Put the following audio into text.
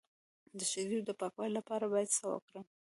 د شیدو د پاکوالي لپاره باید څه وکړم؟